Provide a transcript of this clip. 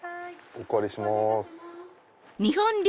お借りします。